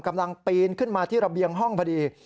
กำลังปีนขึ้นมาที่ระเบียงห้องพอดี